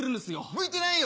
向いてないよ！